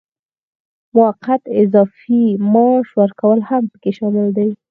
موقت اضافي معاش ورکول هم پکې شامل دي.